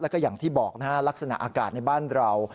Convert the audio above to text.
แล้วก็อย่างที่บอกนะฮะลักษณะอากาศในบ้านเรา